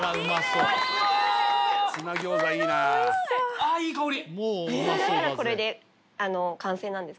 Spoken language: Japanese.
あいい香り！